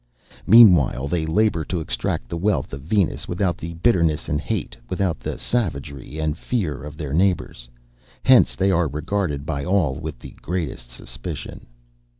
Meanwhile, they labor to extract the wealth of Venus without the bitterness and hate, without the savagery and fear of their neighbors. Hence, they are regarded by all with the greatest suspicion.